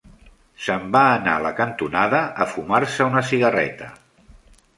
Se'n va anar a la cantonada a fumar-se una cigarreta.